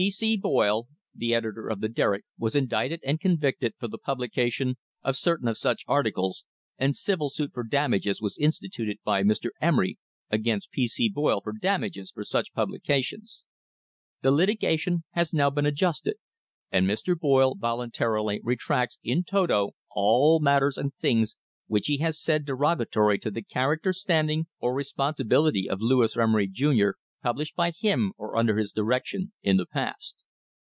P. C. Boyle, the editor of the Derrick, was indicted and convicted for the publica tion of certain of such articles, and civil suit for damages was instituted by Mr. Emery against P. C. Boyle for damages for such publications. The litigation has now been adjusted, and Mr. Boyle voluntarily retracts in toto all matters and things which he has said derogatory to the character, standing, or responsibility of Lewis Emery, Jr., published by him or under his direction in the past.